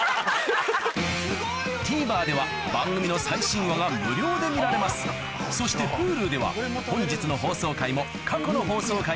ＴＶｅｒでは番組の最新話が無料で見られますそしてＨｕｌｕでは本日の放送回も過去の放送回もいつでもどこでも見られます